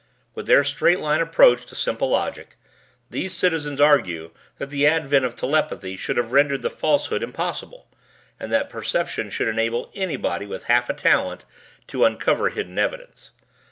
With their straight line approach to simple logic, these citizens argue that the advent of telepathy should have rendered the falsehood impossible, and that perception should enable anybody with half a talent to uncover hidden evidence.